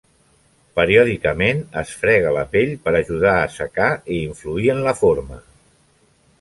Periòdicament es frega la pell per ajudar a assecar i influir en la forma.